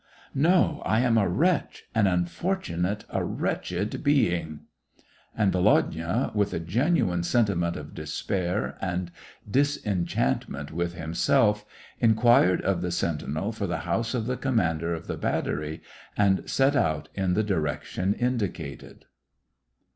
No, I am a wretched, an unfortunate, a wretched being !" And Volodya, with a genuine sentiment of despair and disenchantment with himself, inquired of the sentinel for the house of the commander of the battery, and set out in the direction indicated.